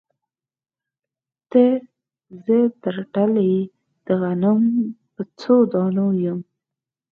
زه ترټلي د غنم په څو دانو یم